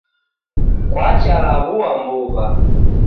Kwacha law'ua mbuw'a.